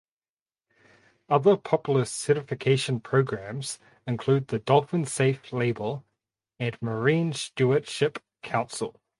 Other popular certification programs include the dolphin safe label and Marine Stewardship Council.